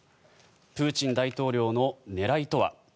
プーチン大統領の狙いとは？